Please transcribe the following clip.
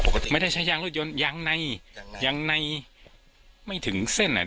ไม่ได้ใช้ยางรถยนต์ยางในยังในไม่ถึงเส้นอ่ะ